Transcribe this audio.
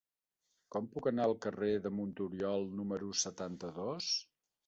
Com puc anar al carrer de Monturiol número setanta-dos?